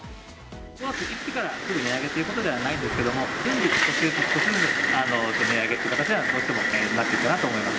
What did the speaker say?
５月１日から値上げということではないんですけれども、順次、少しずつ少しずつ値上げという形にはなっていくかなと思います。